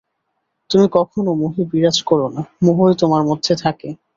তুমি কখনও মোহে বিরাজ কর না, মোহই তোমার মধ্যে থাকে।